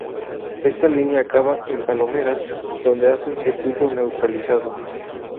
Esta línea acaba en Palomeras, donde hace un circuito neutralizado.